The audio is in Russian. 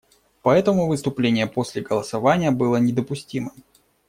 Поэтому выступление после голосования было недопустимым.